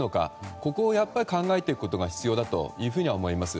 ここをやっぱり考えていくことが必要だと思います。